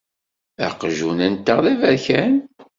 Aqjun-nteɣ d aberkan.